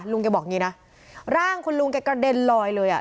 ลุงแกบอกอย่างนี้นะร่างคุณลุงแกกระเด็นลอยเลยอ่ะ